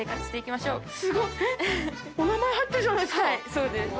そうです。